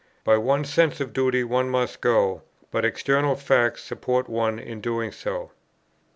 By one's sense of duty one must go; but external facts support one in doing so."